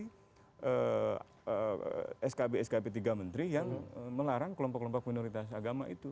karena itu ada yang dipercaya skb skb tiga menteri yang melarang kelompok kelompok minoritas agama itu